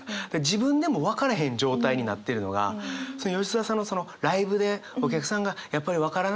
自分でも分からへん状態になってるのが吉澤さんのそのライブでお客さんがやっぱり分からなかったって